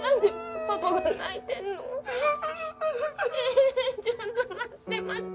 ええっちょっと待って待って！